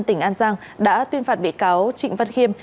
tỉnh an giang đã tuyên phạt bị cáo trịnh văn khiêm